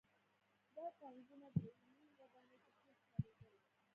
دا ټانکونه د یوې لویې ودانۍ په څېر ښکارېدل